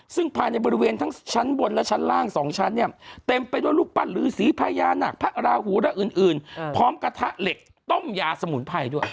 ซึ่งภายในบริเวณทั้งชั้นบนและชั้นล่าง๒ชั้นเนี่ยเต็มไปด้วยรูปปั้นหรือสีพญานาคพระราหูและอื่นพร้อมกระทะเหล็กต้มยาสมุนไพรด้วย